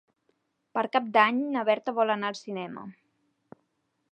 Per Cap d'Any na Berta vol anar al cinema.